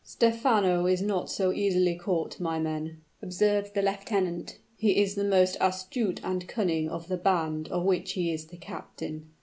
"Stephano is not so easily caught, my men," observed the lieutenant. "He is the most astute and cunning of the band of which he is the captain.